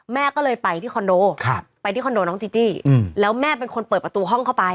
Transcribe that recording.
แม่ก็เลยไปที่คอนโดไปที่คอนโดน้องจีจี้แล้วแม่เป็นคนเปิดประตูห้องเข้าไป